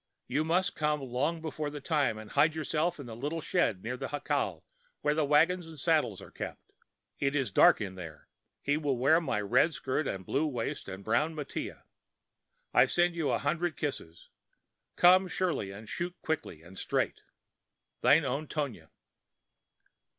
You must come long before the time and hide yourself in the little shed near the jacal where the wagon and saddles are kept. It is dark in there. He will wear my red skirt and blue waist and brown mantilla. I send you a hundred kisses. Come surely and shoot quickly and straight. THINE OWN TONIA.